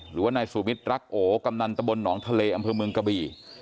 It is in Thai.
หรือว่านายสุมิตรรักโอกำนันตะบลหนองทะเลอำเภอเมืองกะบี่